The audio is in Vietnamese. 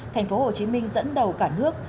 thành phố hồ chí minh dẫn đầu cả nước